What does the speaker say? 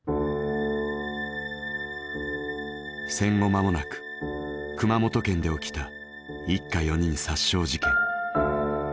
戦後まもなく熊本県で起きた一家四人殺傷事件。